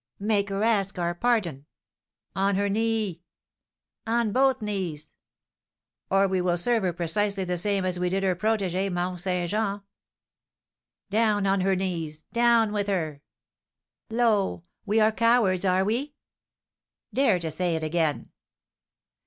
"Make her ask our pardon." "On her knee." "On both knees." "Or we will serve her precisely the same as we did her protégée, Mont Saint Jean!" "Down on her knees! Down with her!" "Lo! we are cowards, are we?" "Dare to say it again!"